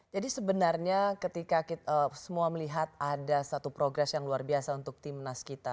jadi sebenarnya ketika kita semua melihat ada satu progress yang luar biasa untuk tim nas kita